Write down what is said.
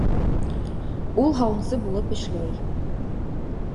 Ул һауынсы булып эшләй.